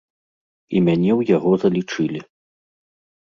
І мяне ў яго залічылі.